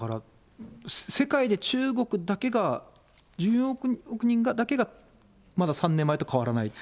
世界で中国だけが、１４億人だけがまだ３年前と変わらないと。